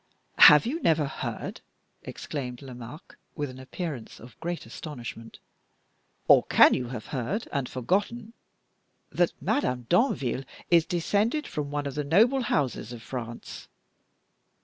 "Have you never heard?" exclaimed Lomaque, with an appearance of great astonishment, "or can you have heard, and forgotten, that Madame Danville is descended from one of the noble houses of France?